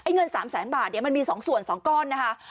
เงิน๓๐๐๐๐๐บาทมันมี๒ส่วน๒ก้อนนะครับ